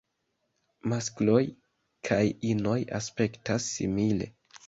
Maskloj kaj inoj aspektas simile.